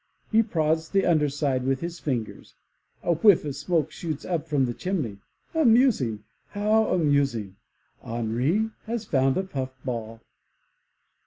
He prods the under side with his fingers. A whiff of smoke shoots up from the chimney ! Amusing ! How amus ing! Henri has found a puff ball.